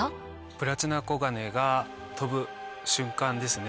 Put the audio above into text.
プラチナコガネが飛ぶ瞬間ですね。